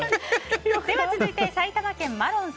では続いて、埼玉県の方。